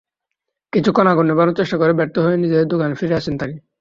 কিছুক্ষণ আগুন নেভানোর চেষ্টা করে ব্যর্থ হয়ে নিজের দোকানে ফিরে আসেন তিনি।